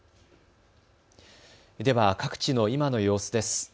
では各地の今の様子です。